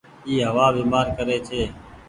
اي هوآ بيمآر ڪري ڇي۔